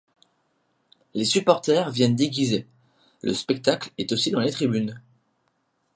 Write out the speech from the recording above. Les supporters viennent déguisés, le spectacle est aussi dans les tribunes.